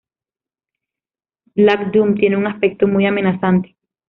Black Doom tiene un aspecto muy amenazante.